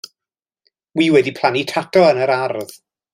Wi wedi plannu tato yn yr ardd.